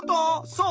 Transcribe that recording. そう！